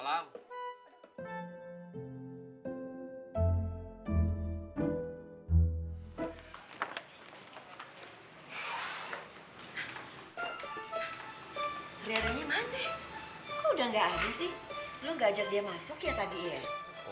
lo gak ajak dia masuk ya tadi ya